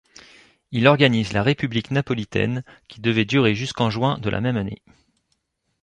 Il organise la République napolitaine qui devait durer jusqu'en juin de la même année.